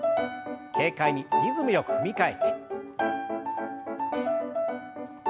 軽快にリズムよく踏み替えて。